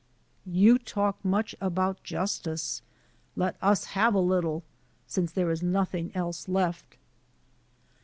You talk much about justice. Let us have a little, since there is nothing else left."